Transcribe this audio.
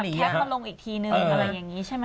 ลงแล้วก็แคล่บก็ลงอีกทีหนึ่งอะไรอย่างนี้ใช่ป่ะ